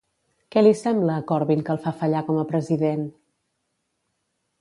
Què li sembla a Corbyn que el fa fallar com a president?